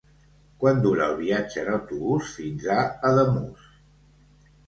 Quant dura el viatge en autobús fins a Ademús?